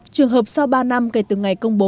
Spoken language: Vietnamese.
trường hợp sau ba năm kể từ ngày công bố